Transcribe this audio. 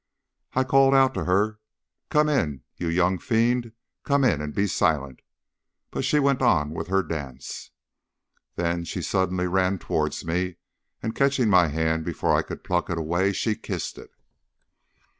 I called out to her, "Come in, you young fiend, come in and be silent!" but she went on with her dance. Then she suddenly ran towards me, and catching my hand before I could pluck it away, she kissed it.